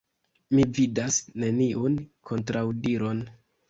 Mi vidas neniun kontraŭdiron.